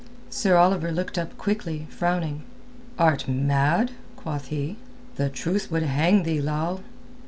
Sir Oliver looked up quickly, frowning. "Art mad?" quoth he. "The truth would hang thee, Lal."